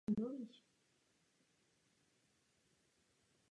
To znamená možnost vytvořit lunární kalendář a určit kratší sedmidenní časové intervaly.